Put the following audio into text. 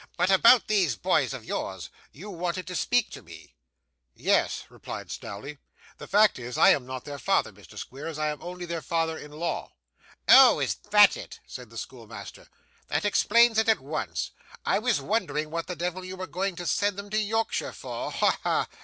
'But about these boys of yours; you wanted to speak to me?' 'Yes,' replied Snawley. 'The fact is, I am not their father, Mr. Squeers. I'm only their father in law.' 'Oh! Is that it?' said the schoolmaster. 'That explains it at once. I was wondering what the devil you were going to send them to Yorkshire for. Ha! ha!